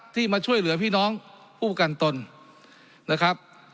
ที่มาช่วยเหลือพี่น้องผู้ประกันตนนะครับ